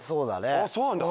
あそうなんだ。